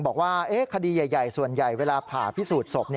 บอกว่าคดีใหญ่ส่วนใหญ่เวลาผ่าพิสูจน์ศพ